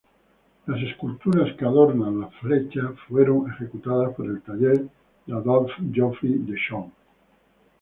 Las esculturas que adornan la flecha fueron ejecutadas por el taller de Adolphe Geoffroy-Dechaume.